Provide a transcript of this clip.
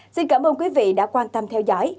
xin cảm ơn quý vị đã quan tâm theo dõi